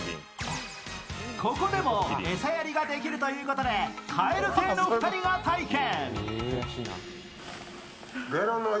ここでも餌やりができるということで蛙亭の２人が体験。